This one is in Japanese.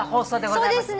そうですね。